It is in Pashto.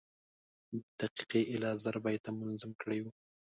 دقیقي ایله زر بیته منظوم کړي وو.